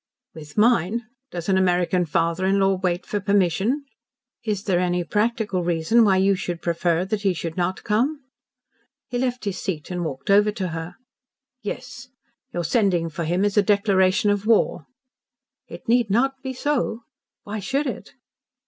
"With mine? Does an American father in law wait for permission?" "Is there any practical reason why you should prefer that he should NOT come?" He left his seat and walked over to her. "Yes. Your sending for him is a declaration of war." "It need not be so. Why should it?"